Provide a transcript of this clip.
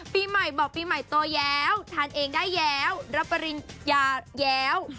ปีใหม่บอกปีใหม่โตแล้วทานเองได้แล้วรับปริญญาแย้ว